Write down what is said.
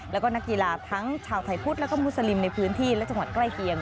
แล้วก็นักกีฬาทั้งชาวไทยพุทธแล้วก็มุสลิมในพื้นที่และจังหวัดใกล้เคียง